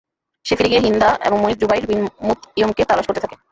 সে ফিরে গিয়ে হিন্দা এবং মনিব জুবাইর বিন মুতঈমকে তালাশ করতে থাকে।